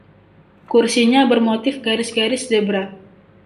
Kursinya bermotif garis-garis zebra.